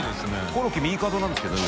コロッケ右角なんですけどね。